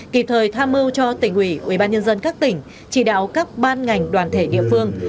kịp thời tham mưu cho tỉnh ủy ủy ban nhân dân các tỉnh chỉ đạo các ban ngành đoàn thể địa phương